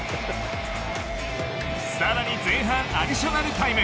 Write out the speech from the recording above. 更に前半アディショナルタイム。